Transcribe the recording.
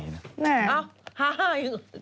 แน่อ้าว๕๕